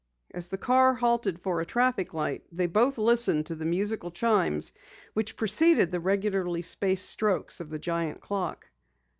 As the car halted for a traffic light, they both listened to the musical chimes which preceded the regularly spaced strokes of the giant clock.